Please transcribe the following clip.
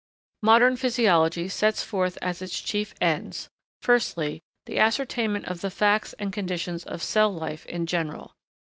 Modern physiology sets forth as its chief ends: Firstly, the ascertainment of the facts and conditions of cell life in general.